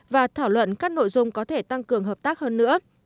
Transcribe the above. và thảo luận các nội dung có thể tăng cường hợp tác hơn nữa